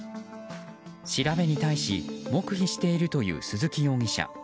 調べに対し黙秘しているという鈴木容疑者。